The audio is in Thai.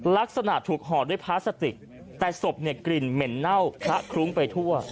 ลักษณะถูกห่อด้วยพลาสติกแต่ศพเนี่ยกลิ่นเหม็นเน่าคละคลุ้งไปทั่ว